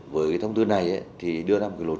với thông tư này đưa ra một thông tư